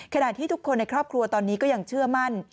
ขณะที่ทุกคนในครอบครัวตอนนี้ก็ยังเชื่อมั่น